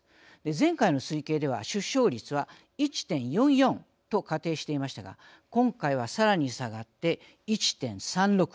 前回の推計では、出生率は１．４４と仮定していましたが今回はさらに下がって１．３６。